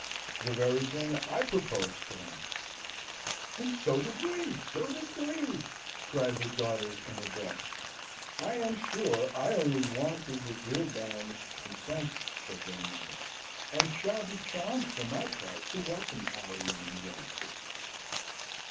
"The very thing I proposed to him." "And so did we and so did we!" cried the daughters in a breath. "I am sure, I only wanted the dear Baroness's consent!" said their mother, "and shall be charmed for my part to welcome our young relative."